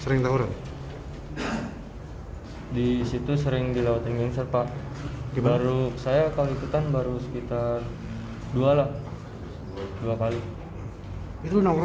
itu orang di dalam apa di luar